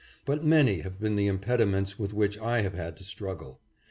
But many have been the im pediments with which I have had to struggle.